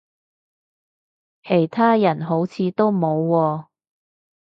其他人好似都冇喎